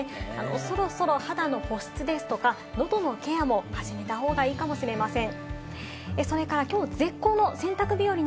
そろそろ肌の保湿ですとか、喉のケアも始めた方がいいかもしれません。